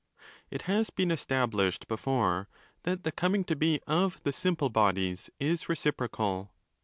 It has been established before! that the coming to be of 4 the 'simple' bodies is reciprocal.